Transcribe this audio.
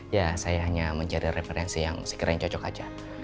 ya saya hanya menjadi referensi yang sekiranya cocok aja